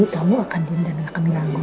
kamu akan diam dan gak akan ganggu